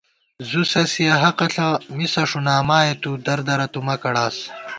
زُو سَسِیَنہ حقہ ݪہ مِسہ ݭُنامائے تُو دردرہ تُو مہ کڑاس